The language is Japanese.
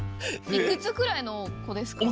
いくつくらいのこですか？